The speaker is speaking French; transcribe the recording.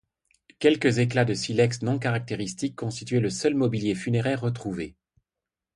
Quelques éclats de silex non caractéristiques constituaient le seul mobilier funéraire retrouvé.